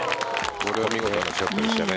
これは見事なショットでしたね。